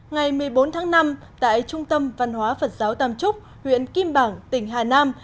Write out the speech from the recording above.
ngày một mươi bốn tháng năm tại trung tâm văn hóa phật giáo tàm trúc huyện kim bảng tỉnh hà nam